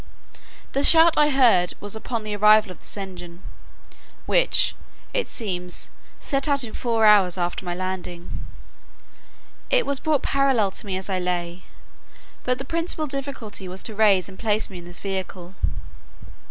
The shout I heard was upon the arrival of this engine, which, it seems, set out in four hours after my landing. It was brought parallel to me, as I lay. But the principal difficulty was to raise and place me in this vehicle.